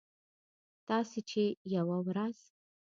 تاسې چې یوه ورځ